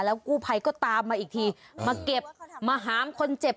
กู้ภัยก็ตามมาอีกทีมาเก็บมาหามคนเจ็บ